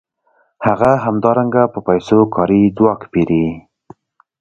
هغه همدارنګه په پیسو کاري ځواک پېري